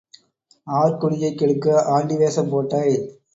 R குடியைக் கெடுக்க ஆண்டி வேஷம் போட்டாய்?